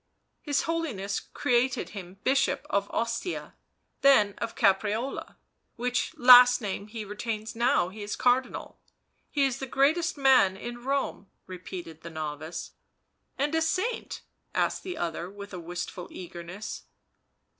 His Holiness created him Bishop of Ostia, then of Caprarola, which last name he retains now he is Cardinal — he is the greatest man in Rome," repeated the novice. "And a saint?" asked the other with a wistful eagerness.